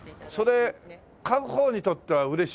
それ買う方にとっては嬉しいよね。